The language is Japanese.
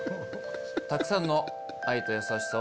たくさんの愛と優しさを